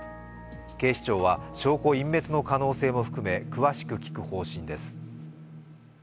警視庁は証拠隠滅の可能性も含め詳しく聞く方針です。